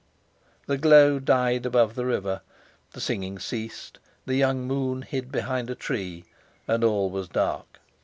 The glow died above the river, the singing ceased; the young moon hid behind a tree, and all was dark.